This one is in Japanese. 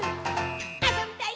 「あそびたい！